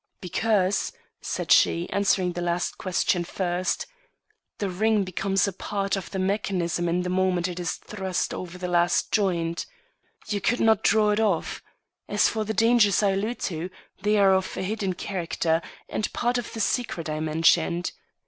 "Because," said she, answering the last question first, "the ring becomes a part of the mechanism the moment it is thrust over the last joint. You could not draw it off. As for the dangers I allude to, they are of a hidden character, and part of the secret I mentioned.